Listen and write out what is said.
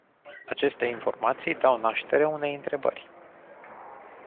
Aceste informații dau naștere unei întrebări.